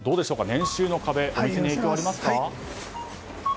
年収の壁、影響ありますか？